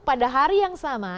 pada hari yang sama